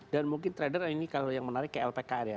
dan mungkin trader ini kalau yang menarik ke lpkr ya